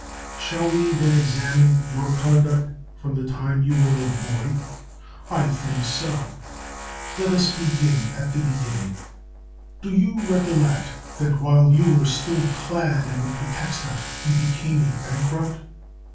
Shall we then examine your conduct from the time when you were a boy? I think so. Let us begin at the beginning. Do you recollect that, while you were still clad in the pretexta, you became a bankrupt?